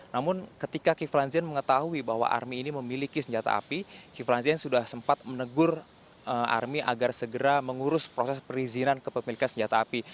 namun ketika kiflan zen mengetahui bahwa army ini memiliki senjata api kiflan zen sudah sempat menegur army agar segera mengurus proses perizinan kepemilikan senjata api